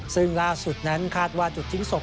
ซึ่งล่าสุดนั้นคาดว่าจุดทิ้งศพ